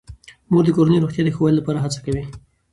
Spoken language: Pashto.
مور د کورنۍ روغتیا د ښه والي لپاره هڅه کوي.